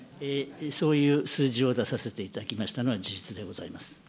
そういう数字を出させていただきましたのは事実でございます。